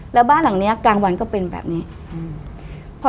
แล้วบ้านหลังเนี้ยกลางวันก็เป็นแบบนี้